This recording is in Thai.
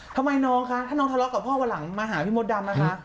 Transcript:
ทำไมน้องคะถ้าน้องทะเลาะกับพ่อวันหลังมาหาพี่มดดำนะคะ